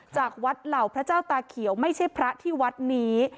จากวัดเหล่าพระเจ้าตาเขียวไม่ใช่พระที่วัดนี้